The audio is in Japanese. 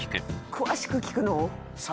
詳しく聞くの？